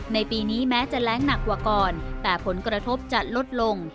ในปีนี้แม้จะแรงหนักกว่าก่อนแต่ผลกระทบจะลดลง